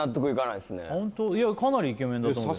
いやかなりイケメンだと思う